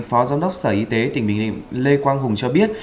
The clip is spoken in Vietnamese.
phó giám đốc sở y tế tỉnh bình định lê quang hùng cho biết